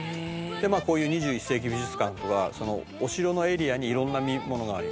「でこういう２１世紀美術館はお城のエリアに色んなものがあります」